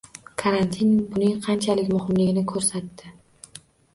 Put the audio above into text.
Karantin buning qanchalik muhimligini ko'rsatdi